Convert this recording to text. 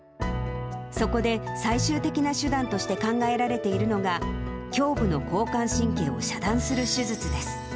そこで、最終的な手段として考えられているのが、胸部の交感神経を遮断する手術です。